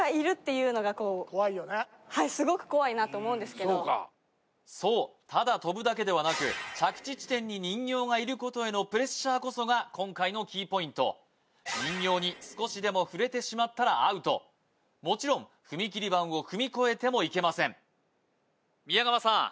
いやあのそうかそうただ跳ぶだけではなく着地地点に人形がいることへのプレッシャーこそが今回のキーポイント人形に少しでも触れてしまったらアウトもちろん踏み切り板を踏み越えてもいけません